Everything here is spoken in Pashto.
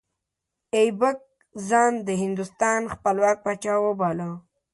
ایبک ځان د هندوستان خپلواک پاچا وباله.